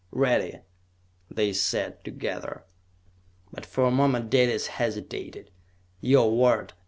"Ready!" they said together. But for a moment Dalis hesitated. "Your word!"